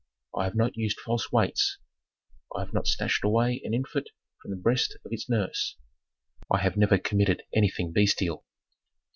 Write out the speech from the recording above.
I have not used false weights. I have not snatched away an infant from the breast of its nurse. I have never committed anything bestial.